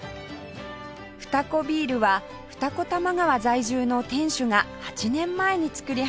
ふたこビールは二子玉川在住の店主が８年前に造り始めた銘柄